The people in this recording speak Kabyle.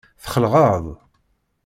Txelɛeḍ?